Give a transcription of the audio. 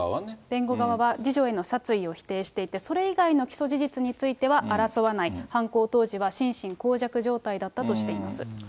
弁護側は、次女への殺意を否定していて、それ以外の起訴事実については争わない、犯行当時は心神耗弱状態だったとしています。